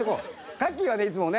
かっきーはねいつもね